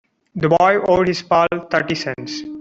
The boy owed his pal thirty cents.